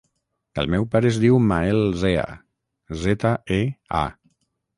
El meu pare es diu Mael Zea: zeta, e, a.